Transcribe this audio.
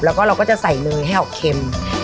แล้วก็เราก็จะใส่เนยให้ออกเค็ม